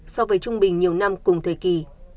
so với trung bình nhiều năm cùng thời kỳ